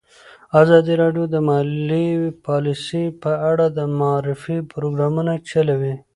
ازادي راډیو د مالي پالیسي په اړه د معارفې پروګرامونه چلولي.